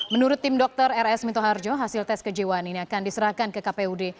menurut tim dokter rs minto harjo hasil tes kejiwaan ini akan diserahkan ke kpud